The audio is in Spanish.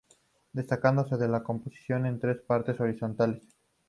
Destacándose la composición en tres partes horizontales.